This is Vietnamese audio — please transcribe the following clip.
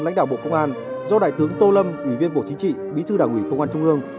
lãnh đạo bộ công an do đại tướng tô lâm ủy viên bộ chính trị bí thư đảng ủy công an trung ương